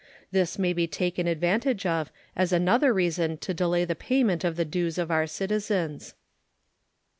This may be taken advantage of as another reason to delay the payment of the dues of our citizens.